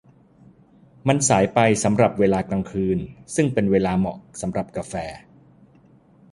มันสายไปสำหรับเวลากลางคืนซึ่งเป็นเวลาเหมาะสำหรับกาแฟ